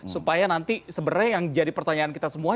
supaya nanti sebenarnya yang jadi pertanyaan kita semua